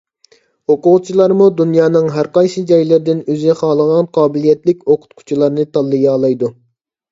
ئوقۇغۇچىلارمۇ دۇنيانىڭ ھەر قايسى جايلىرىدىن ئۆزى خالىغان قابىلىيەتلىك ئوقۇتقۇچىلارنى تاللىيالايدۇ.